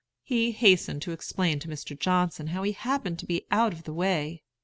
He hastened to explain to Mr. Johnson how he happened to be out of the way.